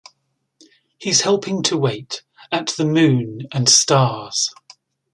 He’s helping to wait at the Moon and Stars.